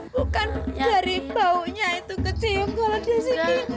bukan dari baunya itu kecium kalau dia sedih